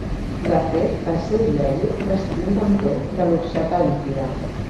De fet, el seu iaio va ser l'inventor de l'orxata líquida.